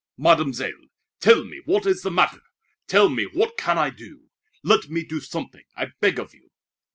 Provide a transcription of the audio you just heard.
"Mademoiselle! Tell me what is the matter. Tell me what can I do. Let me do something, I beg of you!"